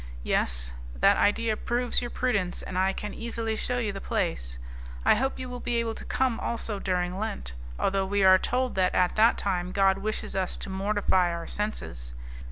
"Yes, that idea proves your prudence, and I can easily, shew you the place. I hope you will be able to come also during Lent, although we are told that at that time God wishes us to mortify our senses.